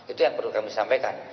itu yang perlu kami sampaikan